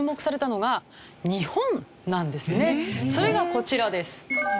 実はそれがこちらです。